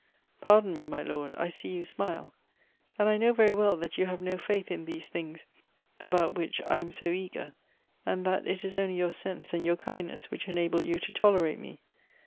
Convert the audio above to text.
" Pardon nie, my Lord , I see you smile ; and I know very well that you have no faith in these things about Elbctivb Affinities. 263 which I am so eager, and that it is only your sense and your kindness which enable you to tolerate me.